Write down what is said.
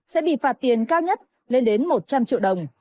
sẽ bị phạt tiền cao nhất lên đến một trăm linh triệu đồng